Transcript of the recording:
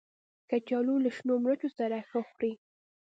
کچالو له شنو مرچو سره ښه خوري